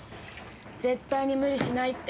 絶対に無理しないって。